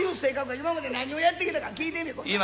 今まで何をやってきたか聞いてみコラ。